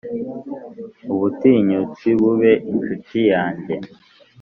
ubutinyutsi bube inshuti yanjye.